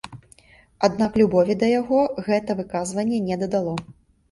Аднак любові да яго гэта выказванне не дадало.